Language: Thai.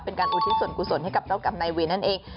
อุทิศส่วนกุศลให้กับเจ้ากรรมนายเวรนั่นเอง